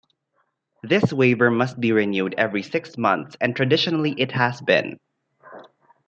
This waiver must be renewed every six months and traditionally it has been.